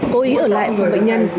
cố ý ở lại phòng bệnh nhân